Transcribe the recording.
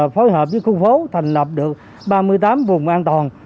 phối hợp với khu phố thành lập được ba mươi tám vùng an toàn